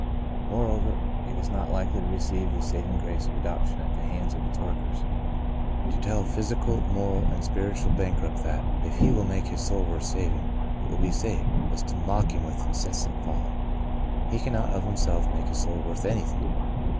Moreover, it is not likely to receive the saving grace of adoption at the hands of its workers. To tell a phys ical, moral and spiritual bankrupt that, if he will make his soul worth saving, it will be saved,'' is to mock him with insensate folly. He cannot, of himself, make his soul worth anything.